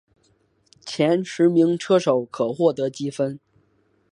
前十名车手可获得积分。